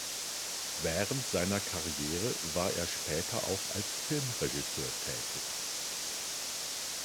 Während seiner Karriere war er später auch als Filmregisseur tätig.